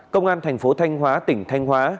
công an thành phố thanh hóa tỉnh thanh hóa